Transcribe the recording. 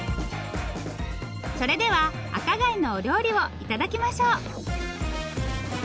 それでは赤貝のお料理を頂きましょう。